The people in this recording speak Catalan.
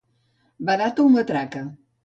Barata o matraca.